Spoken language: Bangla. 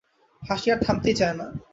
হাসি আর থামতেই চায় না।